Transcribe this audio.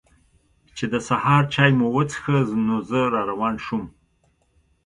چې د سهار چای مو وڅښه نو زه را روان شوم.